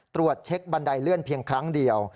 ตรวจเช็คบันไดเลื่อนเพียงครั้งเดียว